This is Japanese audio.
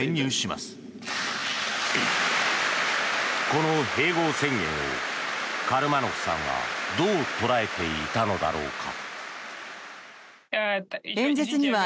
この併合宣言をカルマノフさんはどう捉えていたのだろうか。